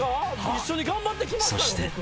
一緒に頑張ってきましたよ。